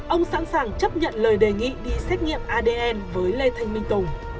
ông sẵn sàng chấp nhận lời đề nghị đi xét nghiệm adn với lê thanh minh tùng